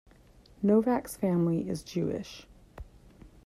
Novak's family is Jewish.